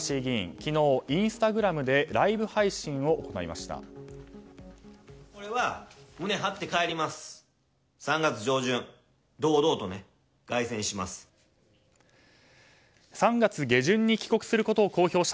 昨日、インスタグラムでライブ配信を行いました。